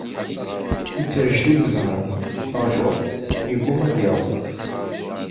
Yettrejdil zher-iw, ttrajuɣ-t, yegguma ad d-yaweḍ.